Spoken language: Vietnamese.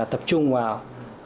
tập trung vào